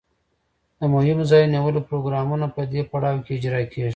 د مهمو ځایونو د نیولو پروګرامونه په دې پړاو کې اجرا کیږي.